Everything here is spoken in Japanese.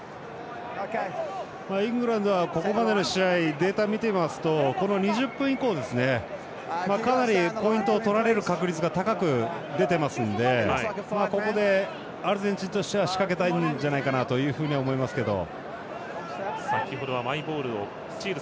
イングランドはここまでの試合データ見てますと、２０分以降かなり、ポイントを取られる確率高く出ていますのでここでアルゼンチンとしては仕掛けたいんじゃないかなとは思いますけど。